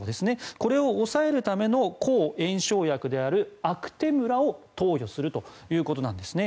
これを抑えるための抗炎症薬であるアクテムラを投与するということなんですね。